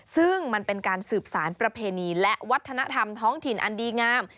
ซึ่งมันเป็นการสืบสารประเพณีและวัฒนธรรมท้องถิ่นอันดีงาม